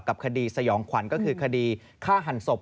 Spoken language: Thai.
คดีสยองขวัญก็คือคดีฆ่าหันศพ